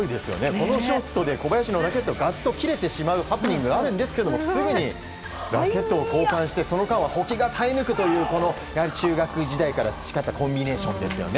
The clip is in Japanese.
このショットで小林のラケットのガットが切れてしまうハプニングがあるんですがすぐにラケットを交換してその間は保木が耐え抜くという中学時代から培ったコンビネーションですよね。